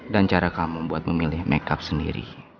dan cara kamu buat memilih makeup sendiri